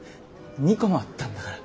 ２個もあったんだから。